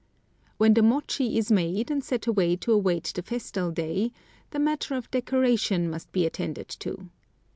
When the mochi is made and set away to await the festal day, the matter of decoration must be attended to.